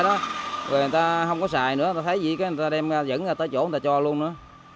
rồi người ta không có xài nữa người ta thấy gì người ta đem ra dẫn ra tới chỗ người ta cho luôn nữa